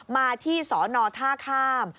มาที่สอนอท่าข้าม